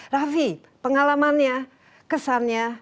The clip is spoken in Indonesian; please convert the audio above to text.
rafi pengalamannya kesannya